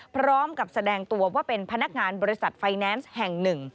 พร้อมกับแสดงตัวว่าเป็นพนักงานบริษัทไฟแนนซ์แห่งหนึ่ง